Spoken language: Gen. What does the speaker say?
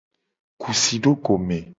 Ku si do go me.